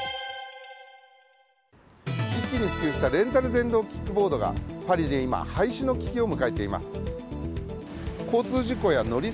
一気に普及したレンタル電動キックボードがパリで今廃止の危機を迎えています。